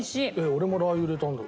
俺もラー油入れたんだけど。